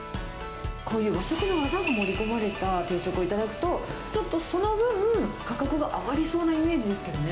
こういう和食の技も盛り込まれた定食を頂くと、ちょっとその分、価格が上がりそうなイメージですけどね。